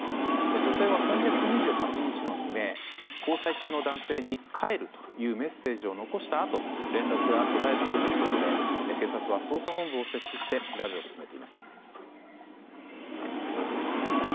女性は、今月２８日の未明交際中の男性に、帰るというメッセージを残したあと連絡が途絶えたということで警察は捜査本部を設置して調べを進めています。